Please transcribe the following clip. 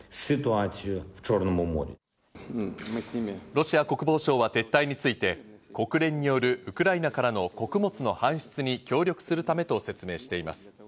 ロシア国防省は撤退について、国連によるウクライナからの穀物の搬出に協力するためと説明しています。